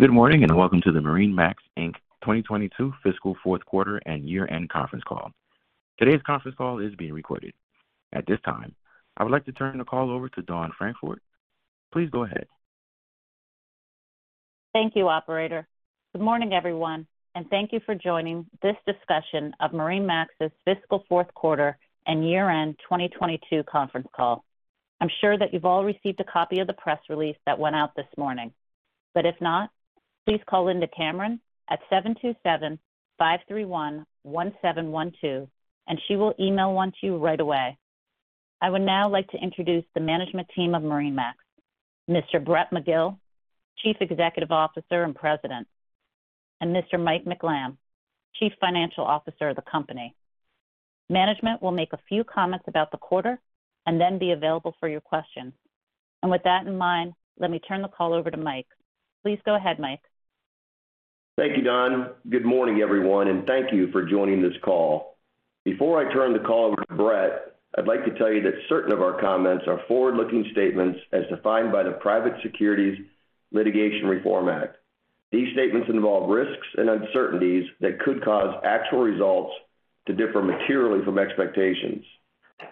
Good morning, and welcome to the MarineMax, Inc. 2022 fiscal fourth quarter and year-end conference call. Today's conference call is being recorded. At this time, I would like to turn the call over to Dawn Francfort. Please go ahead. Thank you, operator. Good morning, everyone, and thank you for joining this discussion of MarineMax's fiscal fourth quarter and year-end 2022 conference call. I'm sure that you've all received a copy of the press release that went out this morning, but if not, please call Linda Cameron at 727-531-1712, and she will email one to you right away. I would now like to introduce the management team of MarineMax. Mr. Brett McGill, Chief Executive Officer and President, and Mr. Mike McLamb, Chief Financial Officer of the company. Management will make a few comments about the quarter and then be available for your questions. With that in mind, let me turn the call over to Mike. Please go ahead, Mike. Thank you, Dawn. Good morning, everyone, and thank you for joining this call. Before I turn the call over to Brett, I'd like to tell you that certain of our comments are forward-looking statements as defined by the Private Securities Litigation Reform Act. These statements involve risks and uncertainties that could cause actual results to differ materially from expectations.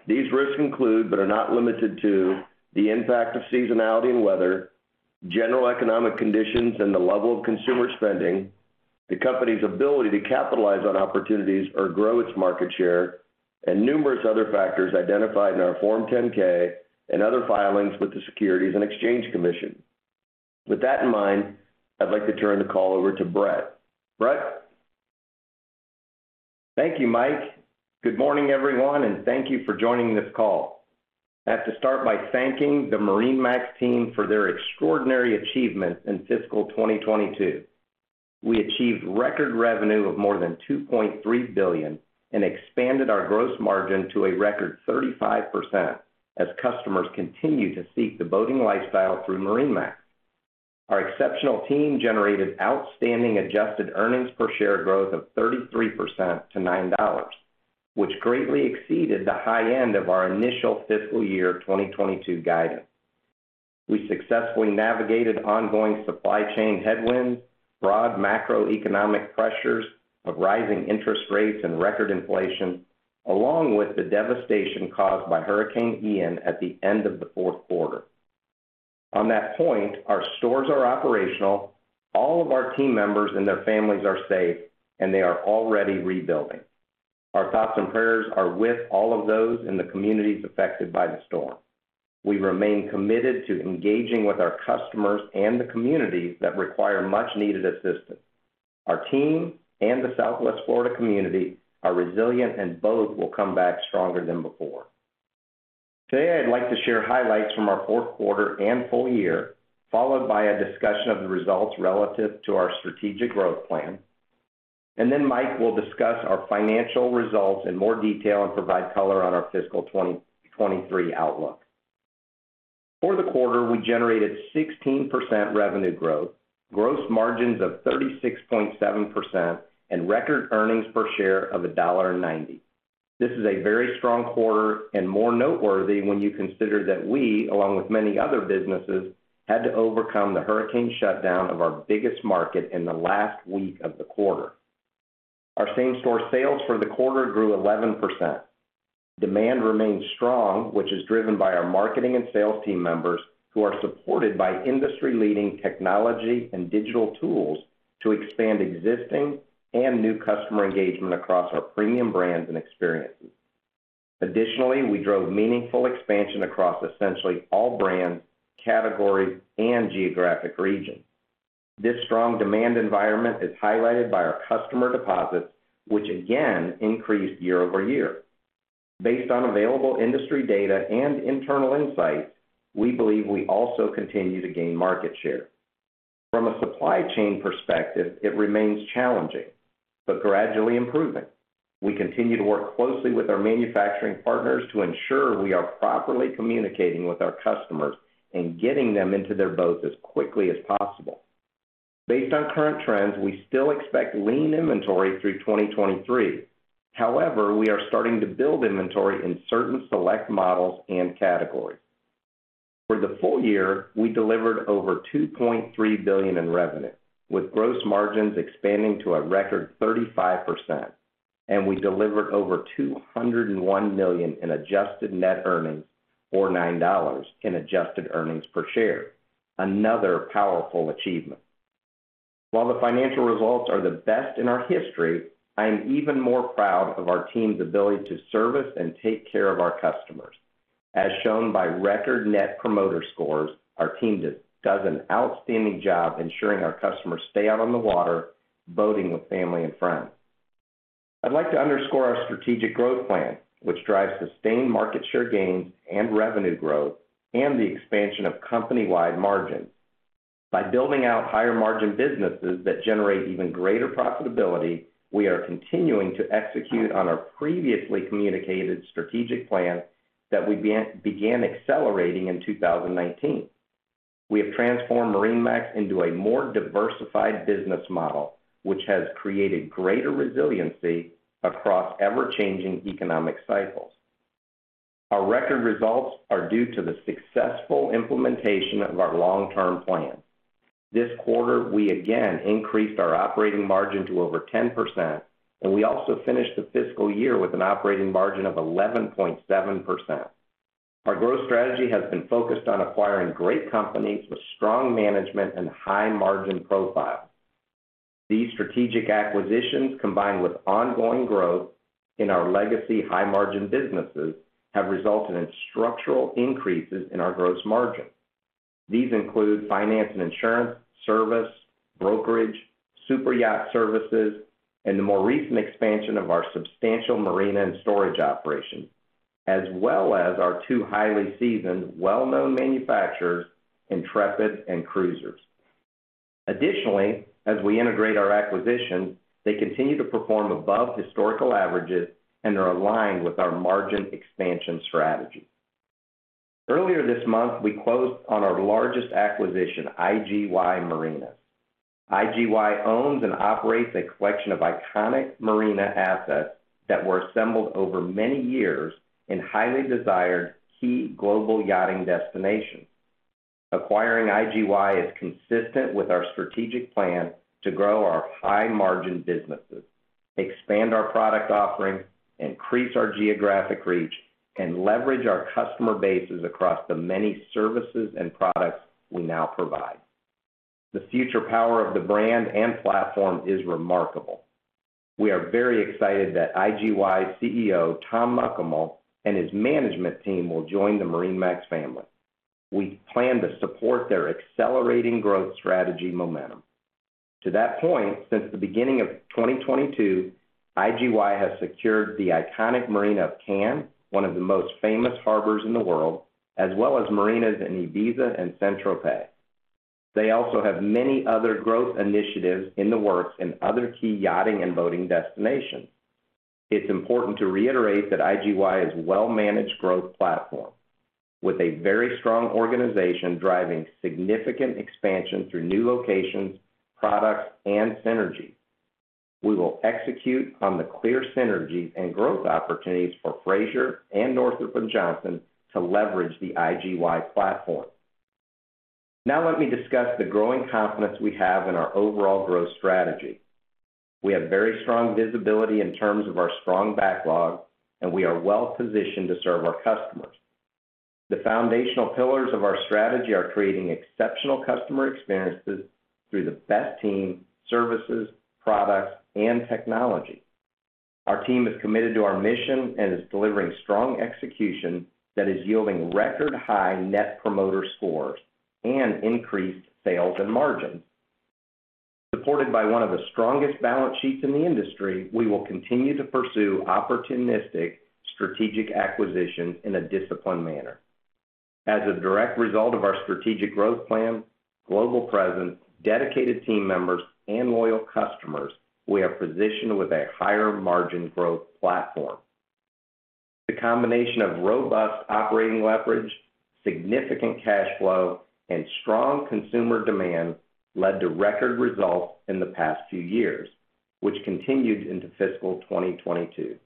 These risks include, but are not limited to the impact of seasonality and weather, general economic conditions and the level of consumer spending, the company's ability to capitalize on opportunities or grow its market share, and numerous other factors identified in our Form 10-K and other filings with the Securities and Exchange Commission. With that in mind, I'd like to turn the call over to Brett. Brett? Thank you, Mike. Good morning, everyone, and thank you for joining this call. I have to start by thanking the MarineMax team for their extraordinary achievements in fiscal 2022. We achieved record revenue of more than $2.3 billion and expanded our gross margin to a record 35% as customers continue to seek the boating lifestyle through MarineMax. Our exceptional team generated outstanding adjusted earnings per share growth of 33% to $9, which greatly exceeded the high end of our initial fiscal year 2022 guidance. We successfully navigated ongoing supply chain headwinds, broad macroeconomic pressures of rising interest rates and record inflation, along with the devastation caused by Hurricane Ian at the end of the fourth quarter. On that point, our stores are operational, all of our team members and their families are safe, and they are already rebuilding. Our thoughts and prayers are with all of those in the communities affected by the storm. We remain committed to engaging with our customers and the communities that require much-needed assistance. Our team and the Southwest Florida community are resilient, and both will come back stronger than before. Today, I'd like to share highlights from our fourth quarter and full year, followed by a discussion of the results relative to our strategic growth plan. Mike will discuss our financial results in more detail and provide color on our fiscal 2023 outlook. For the quarter, we generated 16% revenue growth, gross margins of 36.7%, and record earnings per share of $1.90. This is a very strong quarter and more noteworthy when you consider that we, along with many other businesses, had to overcome the hurricane shutdown of our biggest market in the last week of the quarter. Our same-store sales for the quarter grew 11%. Demand remains strong, which is driven by our marketing and sales team members who are supported by industry-leading technology and digital tools to expand existing and new customer engagement across our premium brands and experiences. Additionally, we drove meaningful expansion across essentially all brands, categories, and geographic regions. This strong demand environment is highlighted by our customer deposits, which again increased year-over-year. Based on available industry data and internal insights, we believe we also continue to gain market share. From a supply chain perspective, it remains challenging but gradually improving. We continue to work closely with our manufacturing partners to ensure we are properly communicating with our customers and getting them into their boats as quickly as possible. Based on current trends, we still expect lean inventory through 2023. However, we are starting to build inventory in certain select models and categories. For the full year, we delivered over $2.3 billion in revenue, with gross margins expanding to a record 35%, and we delivered over $201 million in adjusted net earnings or $9 in adjusted earnings per share. Another powerful achievement. While the financial results are the best in our history, I am even more proud of our team's ability to service and take care of our customers. As shown by record Net Promoter Scores, our team does an outstanding job ensuring our customers stay out on the water, boating with family and friends. I'd like to underscore our strategic growth plan, which drives sustained market share gains and revenue growth and the expansion of company-wide margins. By building out higher-margin businesses that generate even greater profitability, we are continuing to execute on our previously communicated strategic plan that we began accelerating in 2019. We have transformed MarineMax into a more diversified business model, which has created greater resiliency across ever-changing economic cycles. Our record results are due to the successful implementation of our long-term plan. This quarter, we again increased our operating margin to over 10%, and we also finished the fiscal year with an operating margin of 11.7%. Our growth strategy has been focused on acquiring great companies with strong management and high margin profile. These strategic acquisitions, combined with ongoing growth in our legacy high margin businesses, have resulted in structural increases in our gross margin. These include finance and insurance, service, brokerage, superyacht services, and the more recent expansion of our substantial marina and storage operation. As well as our two highly seasoned, well-known manufacturers, Intrepid and Cruisers. Additionally, as we integrate our acquisitions, they continue to perform above historical averages and are aligned with our margin expansion strategy. Earlier this month, we closed on our largest acquisition, IGY Marinas. IGY owns and operates a collection of iconic marina assets that were assembled over many years in highly desired key global yachting destinations. Acquiring IGY is consistent with our strategic plan to grow our high-margin businesses, expand our product offerings, increase our geographic reach, and leverage our customer bases across the many services and products we now provide. The future power of the brand and platform is remarkable. We are very excited that IGY's CEO, Tom Mukamal, and his management team will join the MarineMax family. We plan to support their accelerating growth strategy momentum. To that point, since the beginning of 2022, IGY has secured the iconic Marina of Cannes, one of the most famous harbors in the world, as well as marinas in Ibiza and Saint-Tropez. They also have many other growth initiatives in the works in other key yachting and boating destinations. It's important to reiterate that IGY is a well-managed growth platform with a very strong organization driving significant expansion through new locations, products, and synergies. We will execute on the clear synergies and growth opportunities for Fraser and Northrop & Johnson to leverage the IGY platform. Now let me discuss the growing confidence we have in our overall growth strategy. We have very strong visibility in terms of our strong backlog, and we are well-positioned to serve our customers. The foundational pillars of our strategy are creating exceptional customer experiences through the best team, services, products, and technology. Our team is committed to our mission and is delivering strong execution that is yielding record-high Net Promoter Scores and increased sales and margins. Supported by one of the strongest balance sheets in the industry, we will continue to pursue opportunistic strategic acquisitions in a disciplined manner. As a direct result of our strategic growth plan, global presence, dedicated team members, and loyal customers, we are positioned with a higher margin growth platform. The combination of robust operating leverage, significant cash flow, and strong consumer demand led to record results in the past few years, which continued into fiscal 2022.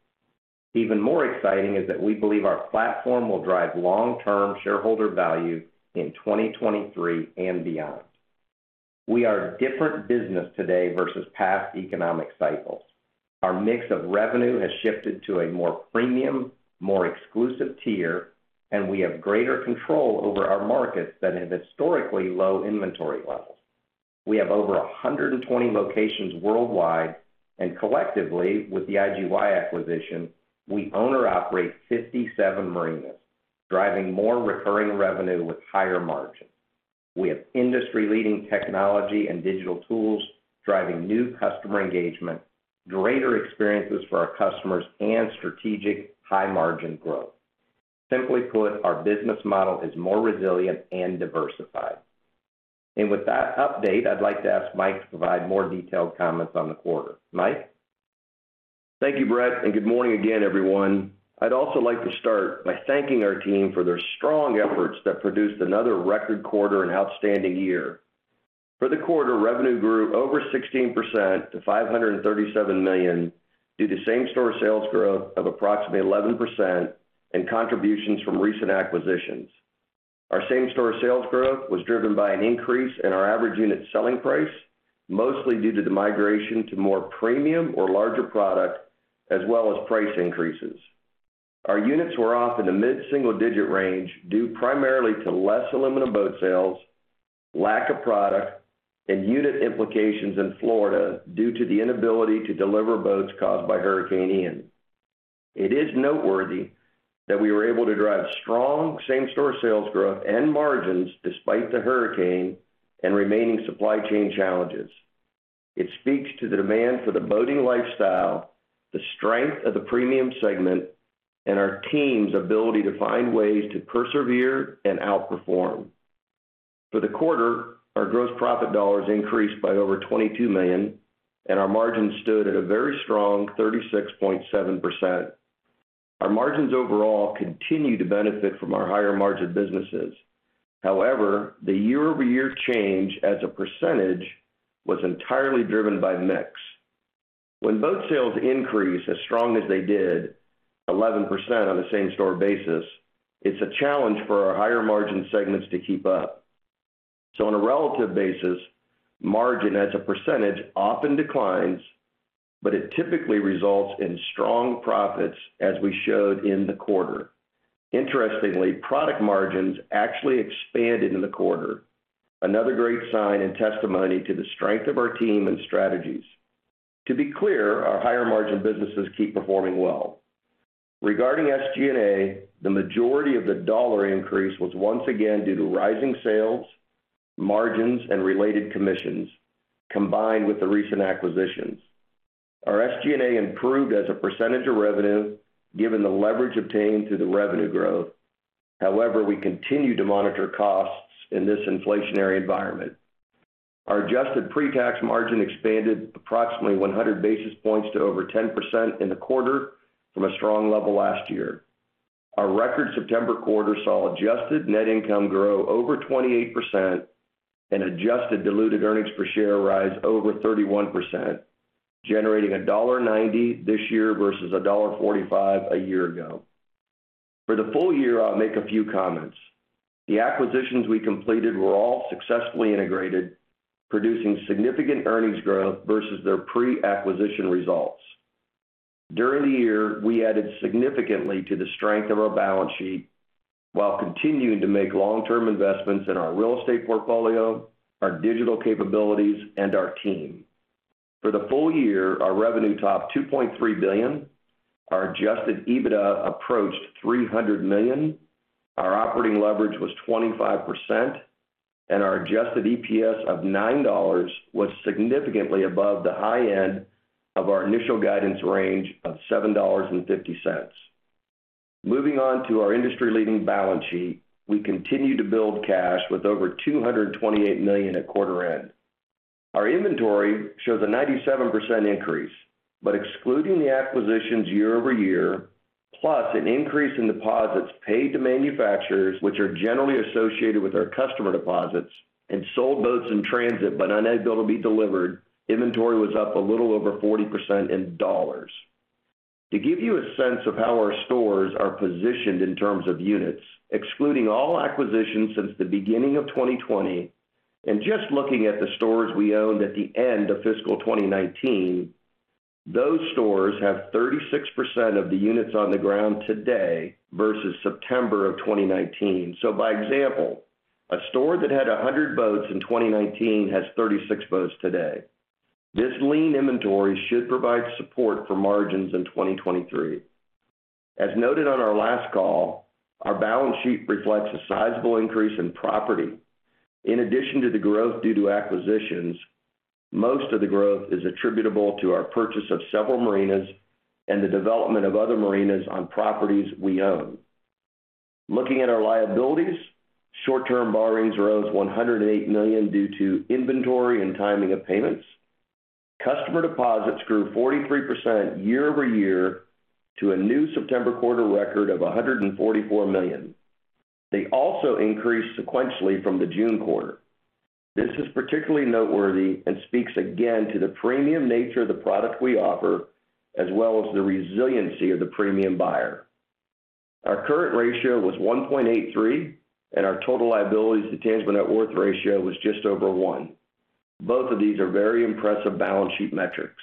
Even more exciting is that we believe our platform will drive long-term shareholder value in 2023 and beyond. We are a different business today versus past economic cycles. Our mix of revenue has shifted to a more premium, more exclusive tier, and we have greater control over our markets that have historically low inventory levels. We have over 120 locations worldwide, and collectively, with the IGY acquisition, we own or operate 57 marinas, driving more recurring revenue with higher margins. We have industry-leading technology and digital tools driving new customer engagement, greater experiences for our customers, and strategic high-margin growth. Simply put, our business model is more resilient and diversified. With that update, I'd like to ask Mike to provide more detailed comments on the quarter. Mike? Thank you, Brett, and good morning again, everyone. I'd also like to start by thanking our team for their strong efforts that produced another record quarter and outstanding year. For the quarter, revenue grew over 16% to $537 million due to same-store sales growth of approximately 11% and contributions from recent acquisitions. Our same-store sales growth was driven by an increase in our average unit selling price, mostly due to the migration to more premium or larger product, as well as price increases. Our units were off in the mid-single digit range due primarily to less aluminum boat sales, lack of product, and unit implications in Florida due to the inability to deliver boats caused by Hurricane Ian. It is noteworthy that we were able to drive strong same-store sales growth and margins despite the hurricane and remaining supply chain challenges. It speaks to the demand for the boating lifestyle, the strength of the premium segment, and our team's ability to find ways to persevere and outperform. For the quarter, our gross profit dollars increased by over $22 million, and our margins stood at a very strong 36.7%. Our margins overall continue to benefit from our higher margin businesses. However, the year-over-year change as a percentage was entirely driven by mix. When boat sales increase as strong as they did, 11% on a same-store basis, it's a challenge for our higher-margin segments to keep up. So on a relative basis, margin as a percentage often declines, but it typically results in strong profits as we showed in the quarter. Interestingly, product margins actually expanded in the quarter, another great sign and testimony to the strength of our team and strategies. To be clear, our higher-margin businesses keep performing well. Regarding SG&A, the majority of the dollar increase was once again due to rising sales, margins, and related commissions combined with the recent acquisitions. Our SG&A improved as a percentage of revenue given the leverage obtained through the revenue growth. However, we continue to monitor costs in this inflationary environment. Our adjusted pre-tax margin expanded approximately 100 basis points to over 10% in the quarter from a strong level last year. Our record September quarter saw adjusted net income grow over 28% and adjusted diluted earnings per share rise over 31%, generating $1.90 this year versus $1.45 a year ago. For the full year, I'll make a few comments. The acquisitions we completed were all successfully integrated, producing significant earnings growth versus their pre-acquisition results. During the year, we added significantly to the strength of our balance sheet while continuing to make long-term investments in our real estate portfolio, our digital capabilities, and our team. For the full year, our revenue topped $2.3 billion, our adjusted EBITDA approached $300 million, our operating leverage was 25%, and our adjusted EPS of $9 was significantly above the high end of our initial guidance range of $7.50. Moving on to our industry-leading balance sheet, we continue to build cash with over $228 million at quarter end. Our inventory shows a 97% increase, but excluding the acquisitions year-over-year, plus an increase in deposits paid to manufacturers which are generally associated with our customer deposits and sold boats in transit but unable to be delivered, inventory was up a little over 40% in dollars. To give you a sense of how our stores are positioned in terms of units, excluding all acquisitions since the beginning of 2020 and just looking at the stores we owned at the end of fiscal 2019, those stores have 36% of the units on the ground today versus September of 2019. By example, a store that had 100 boats in 2019 has 36 boats today. This lean inventory should provide support for margins in 2023. As noted on our last call, our balance sheet reflects a sizable increase in property. In addition to the growth due to acquisitions, most of the growth is attributable to our purchase of several marinas and the development of other marinas on properties we own. Looking at our liabilities, short-term borrowings rose $108 million due to inventory and timing of payments. Customer deposits grew 43% year-over-year to a new September quarter record of $144 million. They also increased sequentially from the June quarter. This is particularly noteworthy and speaks again to the premium nature of the product we offer as well as the resiliency of the premium buyer. Our current ratio was 1.83 and our total liabilities to tangible net worth ratio was just over one. Both of these are very impressive balance sheet metrics.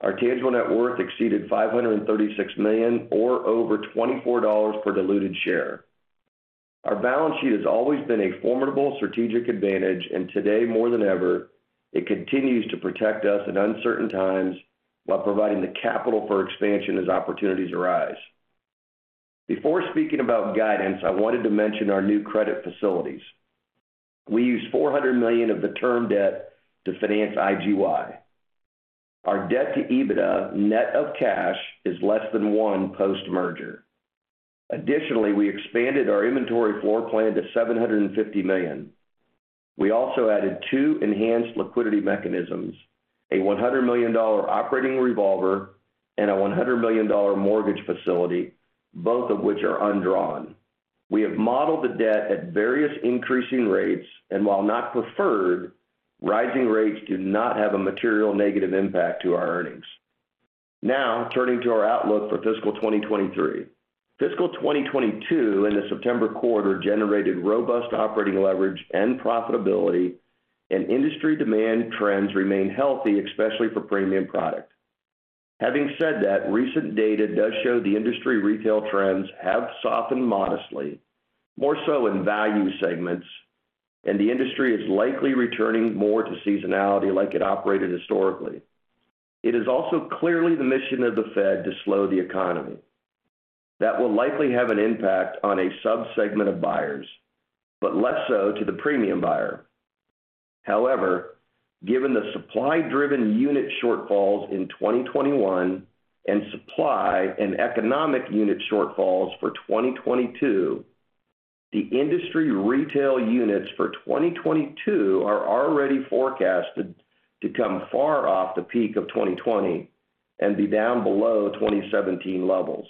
Our tangible net worth exceeded $536 million or over $24 per diluted share. Our balance sheet has always been a formidable strategic advantage, and today more than ever, it continues to protect us in uncertain times while providing the capital for expansion as opportunities arise. Before speaking about guidance, I wanted to mention our new credit facilities. We used $400 million of the term debt to finance IGY. Our debt to EBITDA net of cash is less than one post-merger. Additionally, we expanded our inventory floor plan to $750 million. We also added two enhanced liquidity mechanisms, a $100 million operating revolver and a $100 million mortgage facility, both of which are undrawn. We have modeled the debt at various increasing rates, and while not preferred, rising rates do not have a material negative impact to our earnings. Now, turning to our outlook for fiscal 2023. Fiscal 2022 in the September quarter generated robust operating leverage and profitability, and industry demand trends remain healthy, especially for premium product. Having said that, recent data does show the industry retail trends have softened modestly, more so in value segments, and the industry is likely returning more to seasonality like it operated historically. It is also clearly the mission of the Fed to slow the economy. That will likely have an impact on a sub-segment of buyers, but less so to the premium buyer. However, given the supply-driven unit shortfalls in 2021 and supply and economic unit shortfalls for 2022, the industry retail units for 2022 are already forecasted to come far off the peak of 2020 and be down below 2017 levels.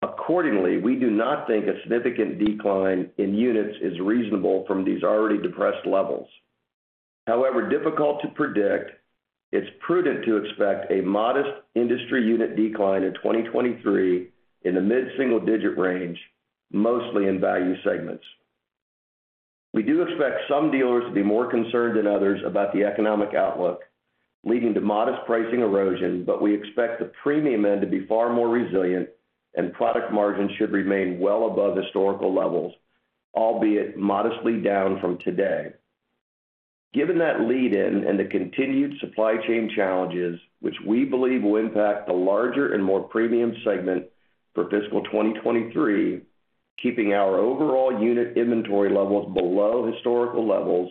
Accordingly, we do not think a significant decline in units is reasonable from these already depressed levels. However difficult to predict, it's prudent to expect a modest industry unit decline in 2023 in the mid-single digit range, mostly in value segments. We do expect some dealers to be more concerned than others about the economic outlook, leading to modest pricing erosion, but we expect the premium end to be far more resilient and product margins should remain well above historical levels, albeit modestly down from today. Given that lead-in and the continued supply chain challenges, which we believe will impact the larger and more premium segment for fiscal 2023, keeping our overall unit inventory levels below historical levels,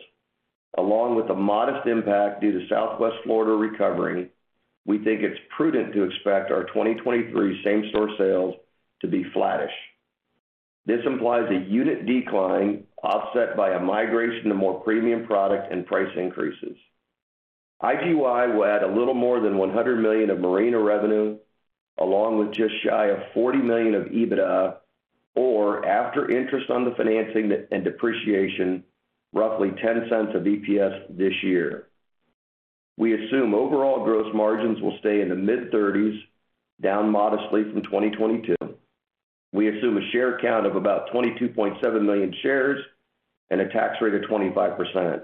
along with a modest impact due to Southwest Florida recovery, we think it's prudent to expect our 2023 same-store sales to be flattish. This implies a unit decline offset by a migration to more premium product and price increases. IGY will add a little more than $100 million of marina revenue, along with just shy of $40 million of EBITDA or after interest on the financing and depreciation, roughly $0.10 of EPS this year. We assume overall gross margins will stay in the mid-30s%, down modestly from 2022. We assume a share count of about 22.7 million shares and a tax rate of 25%.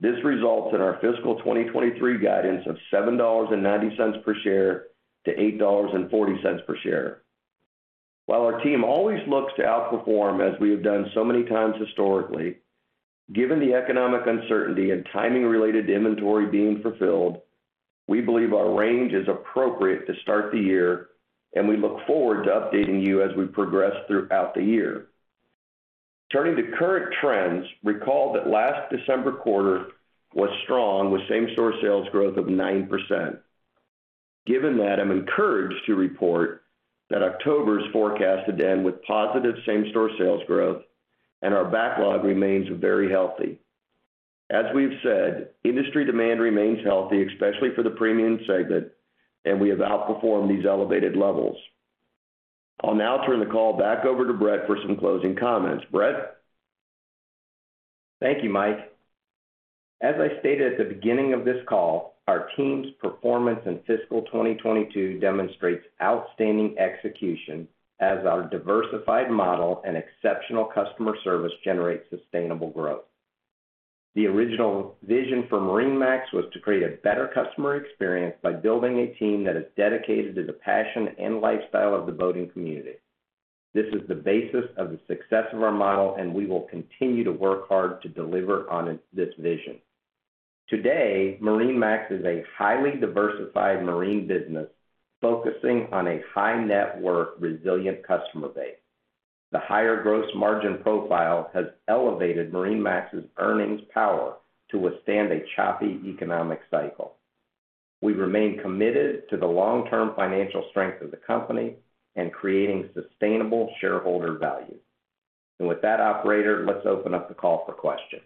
This results in our fiscal 2023 guidance of $7.90-$8.40 per share. While our team always looks to outperform as we have done so many times historically, given the economic uncertainty and timing-related inventory being fulfilled, we believe our range is appropriate to start the year, and we look forward to updating you as we progress throughout the year. Turning to current trends, recall that last December quarter was strong with same-store sales growth of 9%. Given that, I'm encouraged to report that October is forecasted to end with positive same-store sales growth, and our backlog remains very healthy. As we've said, industry demand remains healthy, especially for the premium segment, and we have outperformed these elevated levels. I'll now turn the call back over to Brett for some closing comments. Brett? Thank you, Mike. As I stated at the beginning of this call, our team's performance in fiscal 2022 demonstrates outstanding execution as our diversified model and exceptional customer service generates sustainable growth. The original vision for MarineMax was to create a better customer experience by building a team that is dedicated to the passion and lifestyle of the boating community. This is the basis of the success of our model, and we will continue to work hard to deliver on this vision. Today, MarineMax is a highly diversified marine business focusing on a high-net-worth resilient customer base. The higher gross margin profile has elevated MarineMax's earnings power to withstand a choppy economic cycle. We remain committed to the long-term financial strength of the company and creating sustainable shareholder value. With that, operator, let's open up the call for questions.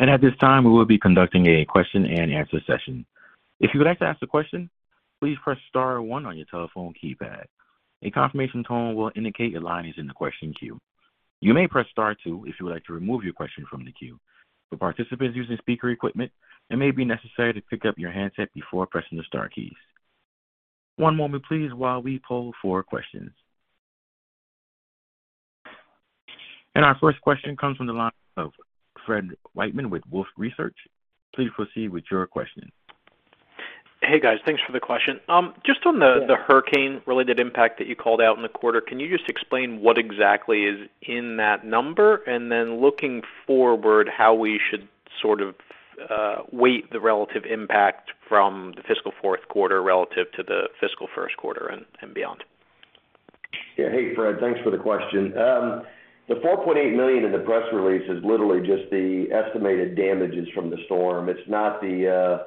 At this time, we will be conducting a question-and-answer session. If you would like to ask a question, please press star one on your telephone keypad. A confirmation tone will indicate your line is in the question queue. You may press star two if you would like to remove your question from the queue. For participants using speaker equipment, it may be necessary to pick up your handset before pressing the star keys. One moment, please, while we poll for questions. Our first question comes from the line of Fred Wightman with Wolfe Research. Please proceed with your question. Hey, guys. Thanks for the question. Just on the hurricane-related impact that you called out in the quarter, can you just explain what exactly is in that number? Looking forward, how we should sort of weigh the relative impact from the fiscal fourth quarter relative to the fiscal first quarter and beyond. Yeah. Hey, Fred. Thanks for the question. The $4.8 million in the press release is literally just the estimated damages from the storm. It's not the.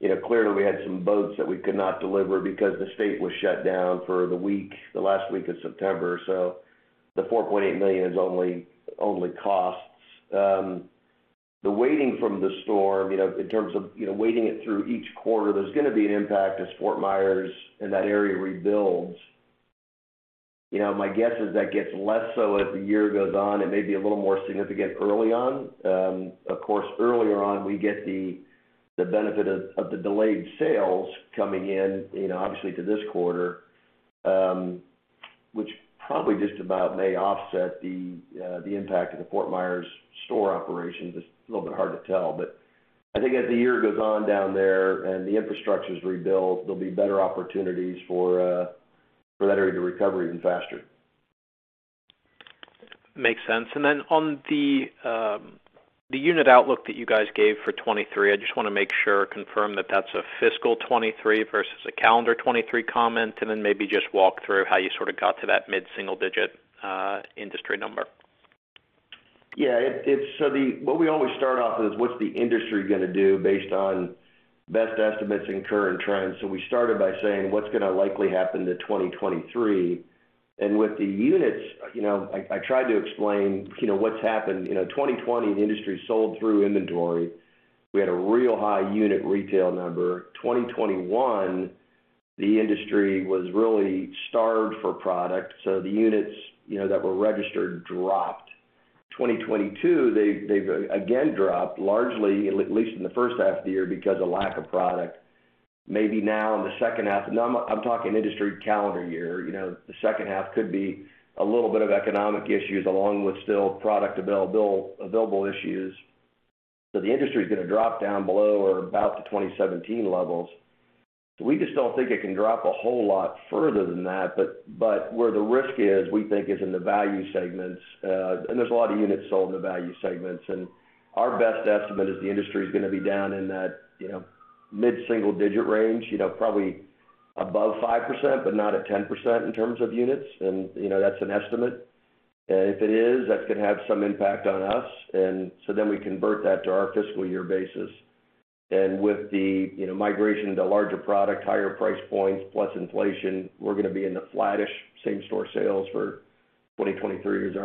You know, clearly, we had some boats that we could not deliver because the state was shut down for the week, the last week of September. The $4.8 million is only costs. The weighting from the storm, you know, in terms of, you know, weighting it through each quarter, there's gonna be an impact as Fort Myers and that area rebuilds. You know, my guess is that gets less so as the year goes on, and maybe a little more significant early on. Of course, earlier on, we get the benefit of the delayed sales coming in, you know, obviously to this quarter, which probably just about may offset the impact of the Fort Myers store operations. It's a little bit hard to tell. I think as the year goes on down there and the infrastructure's rebuilt, there'll be better opportunities for that area to recover even faster. Makes sense. Then on the unit outlook that you guys gave for 2023, I just wanna make sure, confirm that that's a fiscal 2023 versus a calendar 2023 comment. Then maybe just walk through how you sort of got to that mid-single-digit industry number. Yeah. What we always start off is what's the industry gonna do based on best estimates and current trends. We started by saying what's gonna likely happen to 2023. With the units, you know, I tried to explain, you know, what's happened. You know, 2020, the industry sold through inventory. We had a real high unit retail number. 2021, the industry was really starved for product, so the units, you know, that were registered dropped. 2022, they've again dropped largely, at least in the first half of the year, because of lack of product. Maybe now in the second half. Now I'm talking industry calendar year, you know. The second half could be a little bit of economic issues, along with still product available issues. The industry's gonna drop down below or about to 2017 levels. We just don't think it can drop a whole lot further than that. Where the risk is, we think, is in the value segments. There's a lot of units sold in the value segments. Our best estimate is the industry's gonna be down in that, you know, mid-single digit range, you know, probably above 5%, but not at 10% in terms of units. You know, that's an estimate. If it is, that's gonna have some impact on us. We convert that to our fiscal year basis. With the, you know, migration to larger product, higher price points, plus inflation, we're gonna be in the flattish same-store sales for 2023 is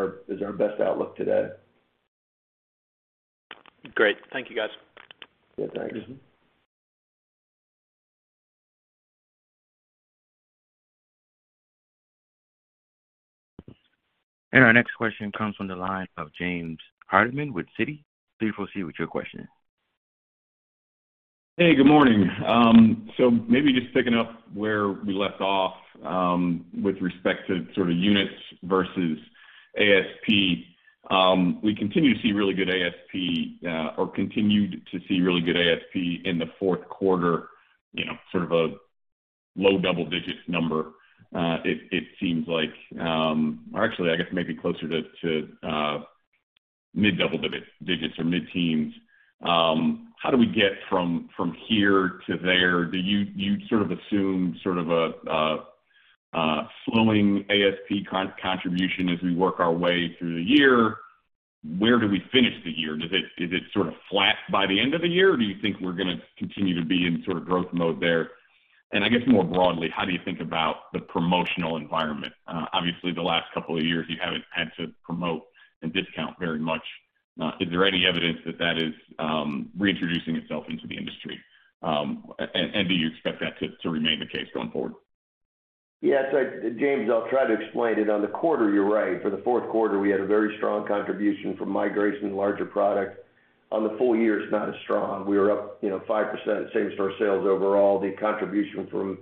our best outlook today. Great. Thank you guys. Yeah, thanks. Our next question comes from the line of James Hardiman with Citi. Please proceed with your question. Hey, good morning. Maybe just picking up where we left off, with respect to sort of units versus ASP. We continue to see really good ASP, or continued to see really good ASP in the fourth quarter, you know, sort of a low double digits number. It seems like, or actually I guess maybe closer to mid double digits or mid-teens. How do we get from here to there? Do you sort of assume sort of a slowing ASP contribution as we work our way through the year? Where do we finish the year? Is it sort of flat by the end of the year, or do you think we're gonna continue to be in sort of growth mode there? I guess more broadly, how do you think about the promotional environment? Obviously the last couple of years you haven't had to promote and discount very much. Is there any evidence that is reintroducing itself into the industry? And do you expect that to remain the case going forward? Yeah. James, I'll try to explain it. On the quarter, you're right. For the fourth quarter, we had a very strong contribution from migration to larger product. On the full year, it's not as strong. We were up, you know, 5% same-store sales overall. The contribution from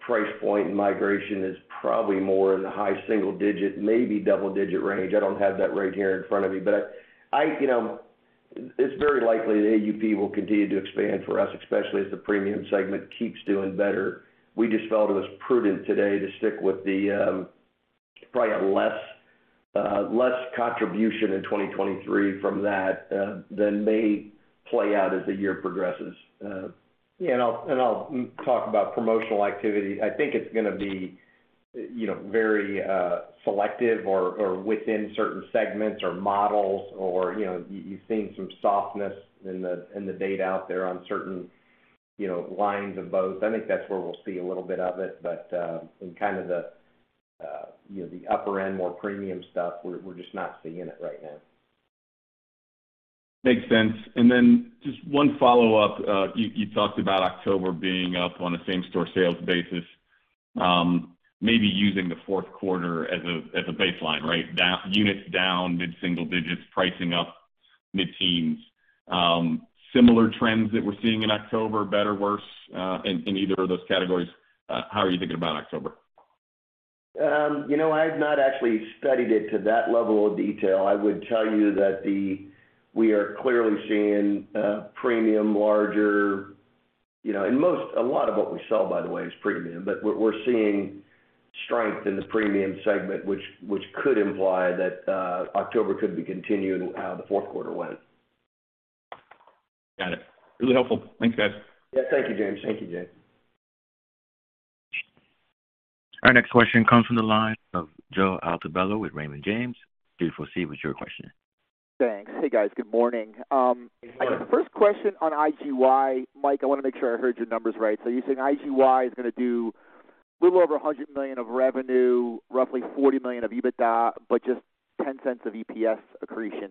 price point and migration is probably more in the high single-digit, maybe double-digit range. I don't have that right here in front of me. But you know, it's very likely the AUP will continue to expand for us, especially as the premium segment keeps doing better. We just felt it was prudent today to stick with the probably a less contribution in 2023 from that than may play out as the year progresses. And I'll talk about promotional activity. I think it's gonna be, you know, very selective or within certain segments or models or, you know, you've seen some softness in the data out there on certain, you know, lines of boats. I think that's where we'll see a little bit of it. In kind of the, you know, the upper end, more premium stuff, we're just not seeing it right now. Makes sense. Just one follow-up. You talked about October being up on a same-store sales basis, maybe using the fourth quarter as a baseline, right? Units down mid-single digits, pricing up mid-teens. Similar trends that we're seeing in October, better, worse, in either of those categories? How are you thinking about October? You know, I have not actually studied it to that level of detail. I would tell you that we are clearly seeing a lot of what we sell, by the way, is premium, but we're seeing strength in the premium segment, which could imply that October could be continuing how the fourth quarter went. Got it. Really helpful. Thanks, guys. Yeah, thank you, James. Our next question comes from the line of Joe Altobello with Raymond James. Please proceed with your question. Thanks. Hey, guys. Good morning. First question on IGY. Mike, I wanna make sure I heard your numbers right. You're saying IGY is gonna do a little over $100 million of revenue, roughly $40 million of EBITDA, but just $0.10 of EPS accretion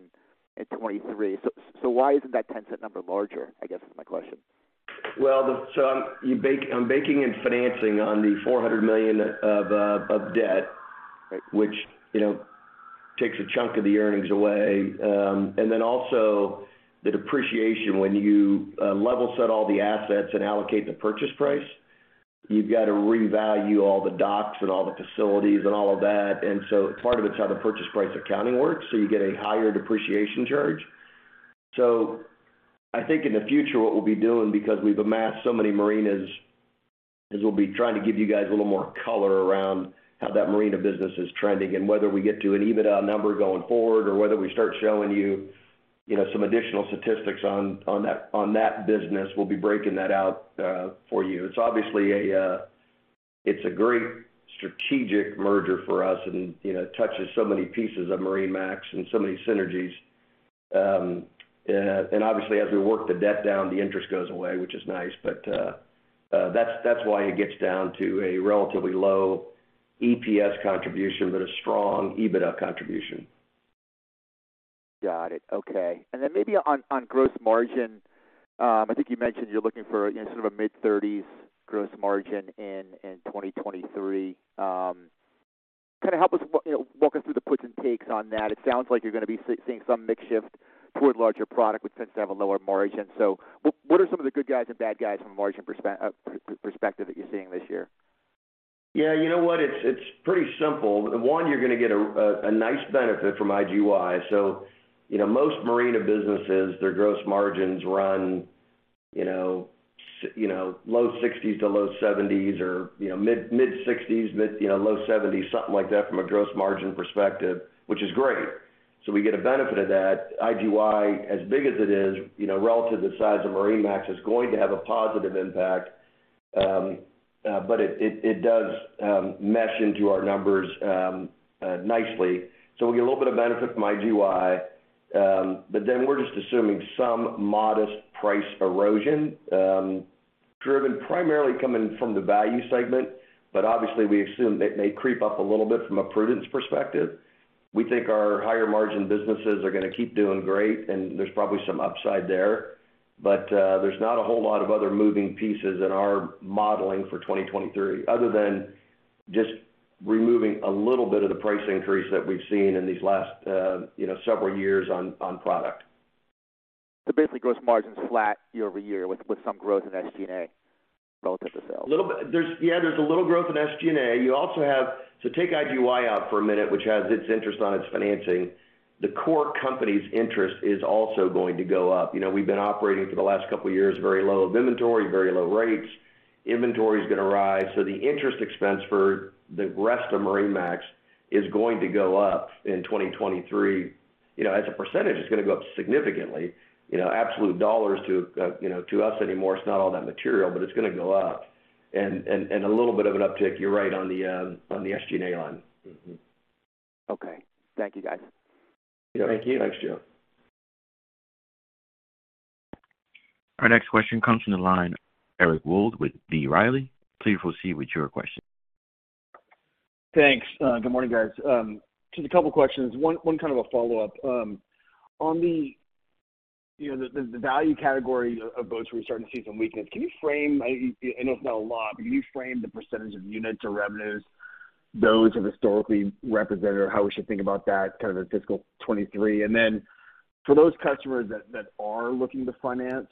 in 2023. Why isn't that $0.10 number larger, I guess is my question. I'm banking and financing on the $400 million of debt- Right ...which, you know, takes a chunk of the earnings away. Also the depreciation. When you level set all the assets and allocate the purchase price, you've got to revalue all the docks and all the facilities and all of that. Part of it's how the purchase price accounting works, so you get a higher depreciation charge. I think in the future what we'll be doing, because we've amassed so many marinas, is we'll be trying to give you guys a little more color around how that marina business is trending and whether we get to an EBITDA number going forward or whether we start showing you know, some additional statistics on that business. We'll be breaking that out for you. It's obviously a- It's a great strategic merger for us and, you know, touches so many pieces of MarineMax and so many synergies. Obviously as we work the debt down, the interest goes away, which is nice. That's why it gets down to a relatively low EPS contribution, but a strong EBITDA contribution. Got it. Okay. Maybe on gross margin, I think you mentioned you're looking for sort of a mid-30s% gross margin in 2023. Kind of help us, you know, walk us through the puts and takes on that. It sounds like you're gonna be seeing some mix shift toward larger product, which tends to have a lower margin. What are some of the good guys and bad guys from a margin perspective that you're seeing this year? Yeah, you know what? It's pretty simple. One, you're gonna get a nice benefit from IGY. You know, most marina businesses, their gross margins run, you know, low 60s%-low 70s% or, you know, mid-60s%, low 70s%, something like that from a gross margin perspective, which is great. We get a benefit of that. IGY, as big as it is, you know, relative to the size of MarineMax, is going to have a positive impact. But it does mesh into our numbers nicely. We get a little bit of benefit from IGY. But then we're just assuming some modest price erosion, driven primarily coming from the value segment. Obviously, we assume they may creep up a little bit from a prudence perspective. We think our higher-margin businesses are gonna keep doing great, and there's probably some upside there. There's not a whole lot of other moving pieces in our modeling for 2023, other than just removing a little bit of the price increase that we've seen in these last, you know, several years on product. Basically, gross margin's flat year-over-year with some growth in SG&A relative to sales. little bit. There's a little growth in SG&A. You also have. So take IGY out for a minute, which has its interest on its financing. The core company's interest is also going to go up. You know, we've been operating for the last couple of years, very low inventory, very low rates. Inventory is going to rise, so the interest expense for the rest of MarineMax is going to go up in 2023. You know, as a percentage, it's going to go up significantly. You know, absolute dollars to you know to us anymore, it's not all that material, but it's going to go up. And a little bit of an uptick, you're right, on the SG&A line. Okay. Thank you, guys. Thank you. Thanks, Joe. Our next question comes from the line of Eric Wold with B. Riley. Please proceed with your question. Thanks. Good morning, guys. Just a couple of questions. One kind of a follow-up. On the, you know, the value category of boats, we're starting to see some weakness. I know it's not a lot, but can you frame the percentage of units or revenues those have historically represented, or how we should think about that kind of in fiscal 2023? For those customers that are looking to finance,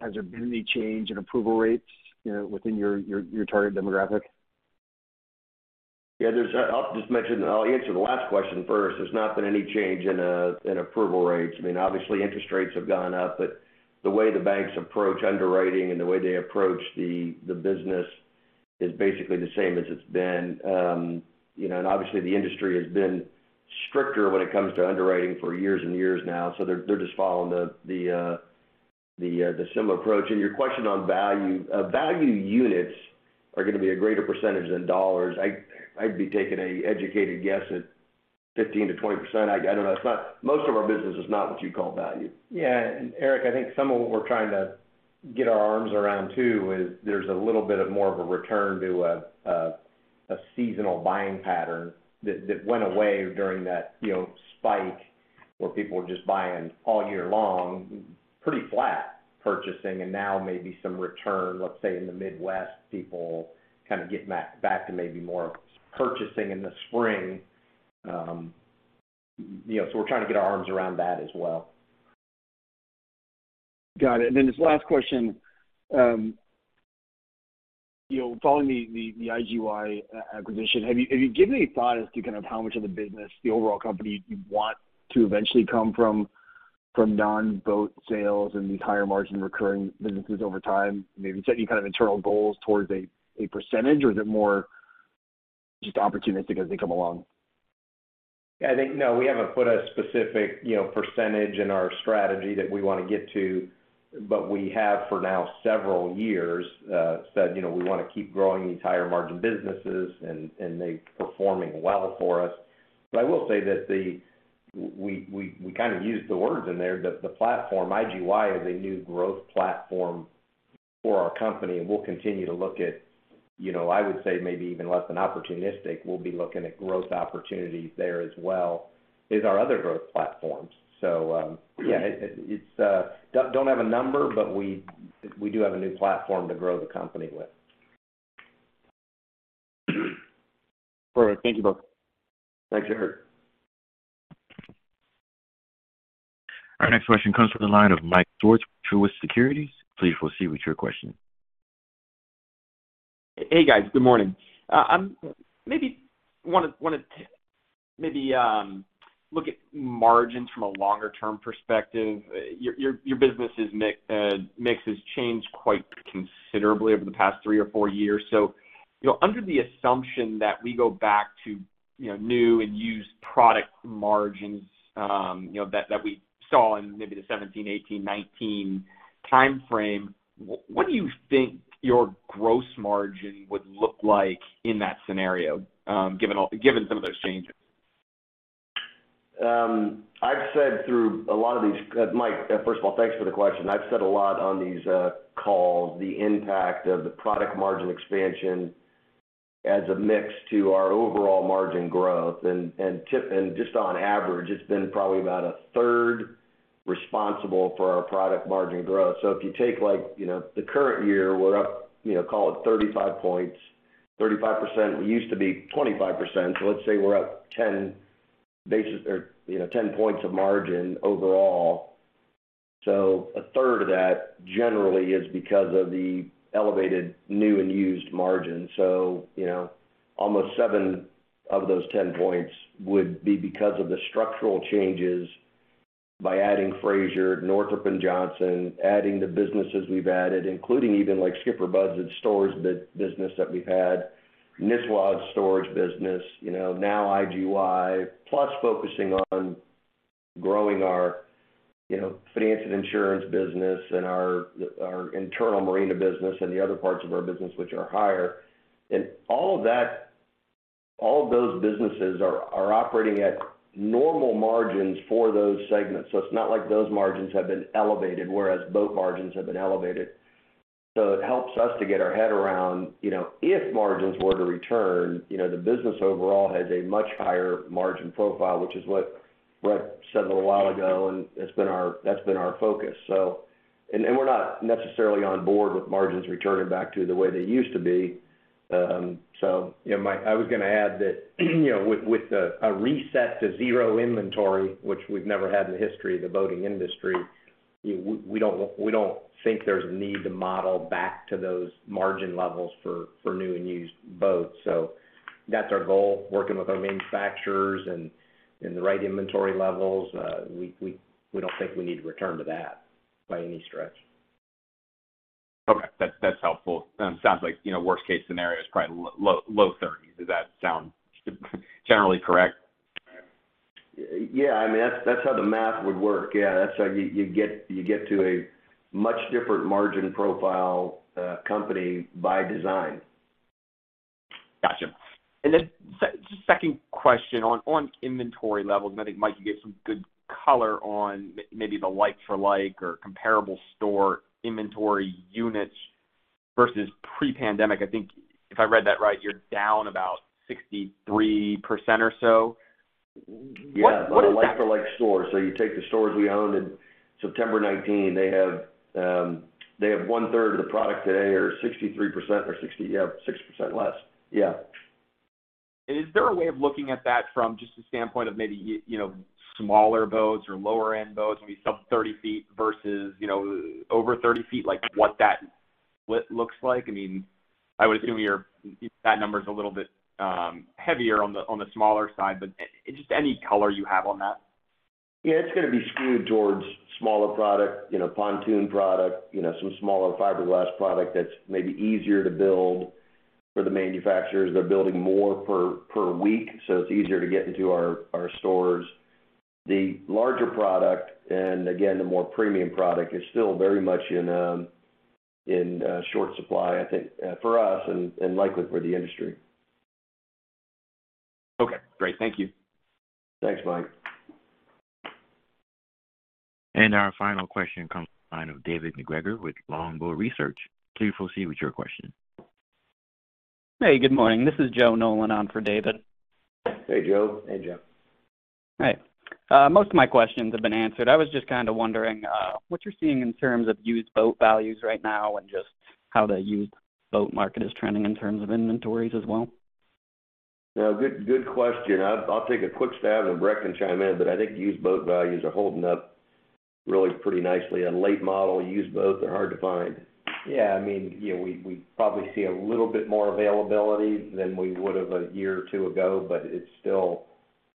has there been any change in approval rates, you know, within your target demographic? I'll answer the last question first. There's not been any change in approval rates. I mean, obviously, interest rates have gone up, but the way the banks approach underwriting and the way they approach the business is basically the same as it's been. You know, obviously, the industry has been stricter when it comes to underwriting for years and years now, so they're just following the similar approach. Your question on value. Value units are gonna be a greater percentage than dollars. I'd be taking an educated guess at 15%-20%. I don't know. Most of our business is not what you'd call value. Yeah. Eric, I think some of what we're trying to get our arms around, too, is there's a little bit more of a return to a seasonal buying pattern that went away during that, you know, spike where people were just buying all year long, pretty flat purchasing. Now maybe some return, let's say, in the Midwest, people kind of getting back to maybe more purchasing in the spring. You know, we're trying to get our arms around that as well. Got it. This last question. You know, following the IGY acquisition, have you given any thought as to kind of how much of the business, the overall company you want to eventually come from non-boat sales and these higher-margin recurring businesses over time? Maybe set any kind of internal goals towards a percentage, or is it more just opportunistic as they come along? I think, no, we haven't put a specific, you know, percentage in our strategy that we wanna get to. We have for now several years said, you know, we wanna keep growing these higher-margin businesses and they're performing well for us. I will say that. We kind of used the words in there that the platform, IGY, is a new growth platform for our company, and we'll continue to look at, you know, I would say maybe even less than opportunistic, we'll be looking at growth opportunities there as well as our other growth platforms. Yeah, it's. We don't have a number, but we do have a new platform to grow the company with. All right. Thank you both. Thanks, Eric. Our next question comes from the line of Michael Swartz with Truist Securities. Please proceed with your question. Hey, guys. Good morning. Maybe wanna look at margins from a longer-term perspective. Your business's mix has changed quite considerably over the past three or four years. You know, under the assumption that we go back to, you know, new and used product margins, you know, that we saw in maybe the 2017, 2018, 2019 timeframe, what do you think your gross margin would look like in that scenario, given some of those changes? I've said through a lot of these. Mike, first of all, thanks for the question. I've said a lot on these calls, the impact of the product margin expansion as a mix to our overall margin growth. Just on average, it's been probably about a third responsible for our product margin growth. If you take like, you know, the current year, we're up, you know, call it 35 points, 35%. We used to be 25%, so let's say we're up 10 basis points or, you know, 10 points of margin overall. A third of that generally is because of the elevated new and used margin. You know, almost seven of those 10 points would be because of the structural changes by adding Fraser, Northrop & Johnson, adding the businesses we've added, including even like SkipperBud's and storage business that we've had, Nisswa's storage business, you know, now IGY, plus focusing on growing our, you know, finance and insurance business and our internal marina business and the other parts of our business which are higher. And all of that, all of those businesses are operating at normal margins for those segments. It's not like those margins have been elevated, whereas boat margins have been elevated. It helps us to get our head around, you know, if margins were to return, you know, the business overall has a much higher margin profile, which is what Brett said a little while ago, and it's been our, that's been our focus, so. We're not necessarily on board with margins returning back to the way they used to be. You know, Mike, I was gonna add that, you know, with a reset to zero inventory, which we've never had in the history of the boating industry, you know, we don't think there's a need to model back to those margin levels for new and used boats. That's our goal, working with our manufacturers and the right inventory levels. We don't think we need to return to that by any stretch. Okay. That's helpful. Sounds like, you know, worst case scenario is probably low thirties. Does that sound generally correct? Yeah. I mean, that's how the math would work. Yeah, that's how you get to a much different margin profile, company by design. Gotcha. Second question on inventory levels, and I think, Mike, you gave some good color on maybe the like-for-like or comparable store inventory units versus pre-pandemic. I think if I read that right, you're down about 63% or so. Yeah. What does that? On a like-for-like store. You take the stores we owned in September 2019. They have one-third of the product today or 63% or 66% less. Is there a way of looking at that from just the standpoint of maybe, you know, smaller boats or lower-end boats, maybe sub-30 ft versus, you know, over 30 ft, like what that looks like? I mean, I would assume your that number's a little bit, heavier on the smaller side, but just any color you have on that. Yeah. It's gonna be skewed towards smaller product, you know, pontoon product, you know, some smaller fiberglass product that's maybe easier to build for the manufacturers. They're building more per week, so it's easier to get into our stores. The larger product and again, the more premium product is still very much in short supply, I think, for us and likely for the industry. Okay, great. Thank you. Thanks, Mike. Our final question comes from the line of David MacGregor with Longbow Research. Please proceed with your question. Hey, good morning. This is Joe Nolan on for David. Hey, Joe. Hey, Joe. Hi. Most of my questions have been answered. I was just kind of wondering what you're seeing in terms of used boat values right now and just how the used boat market is trending in terms of inventories as well? Yeah. Good question. I'll take a quick stab and Brett can chime in, but I think used boat values are holding up really pretty nicely. A late model used boat, they're hard to find. Yeah. I mean, you know, we probably see a little bit more availability than we would have a year or two ago, but it's still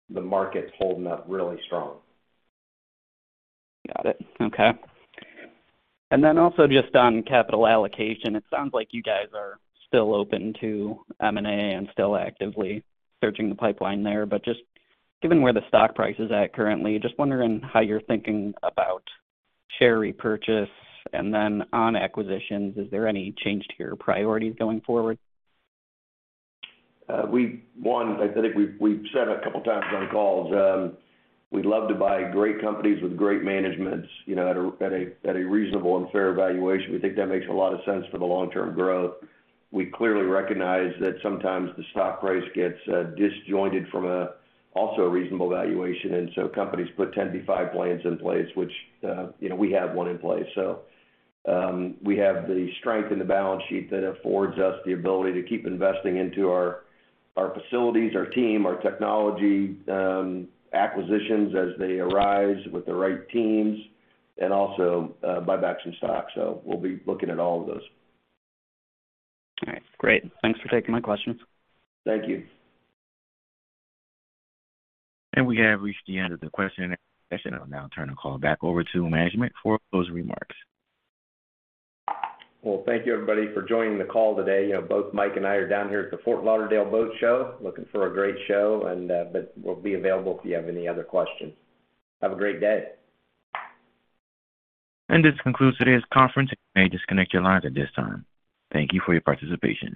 the market's holding up really strong. Got it. Okay. Also just on capital allocation, it sounds like you guys are still open to M&A and still actively searching the pipeline there. Just given where the stock price is at currently, just wondering how you're thinking about share repurchase. On acquisitions, is there any change to your priorities going forward? One, I think we've said a couple times on calls, we'd love to buy great companies with great managements, you know, at a reasonable and fair valuation. We think that makes a lot of sense for the long-term growth. We clearly recognize that sometimes the stock price gets disjointed from a also reasonable valuation, and so companies put 10b5-1 plans in place, which, you know, we have one in place. We have the strength in the balance sheet that affords us the ability to keep investing into our facilities, our team, our technology, acquisitions as they arise with the right teams, and also, buy back some stock. We'll be looking at all of those. All right. Great. Thanks for taking my questions. Thank you. We have reached the end of the question-and-answer session. I'll now turn the call back over to management for closing remarks. Well, thank you, everybody, for joining the call today. You know, both Mike and I are down here at the Fort Lauderdale Boat Show, looking for a great show, but we'll be available if you have any other questions. Have a great day. This concludes today's conference. You may disconnect your lines at this time. Thank you for your participation.